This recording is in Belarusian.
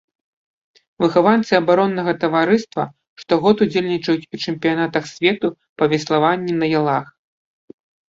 Выхаванцы абароннага таварыства штогод удзельнічаюць у чэмпіянатах свету па веславанні на ялах.